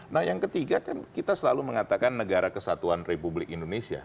nah yang ketiga kan kita selalu mengatakan negara kesatuan republik indonesia